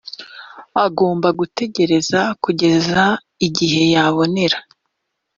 agomba gutegereza kugeza igihe yabonera.